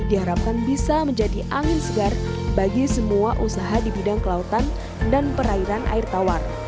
diharapkan bisa menjadi angin segar bagi semua usaha di bidang kelautan dan perairan air tawar